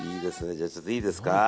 じゃあ、ちょっといいですか。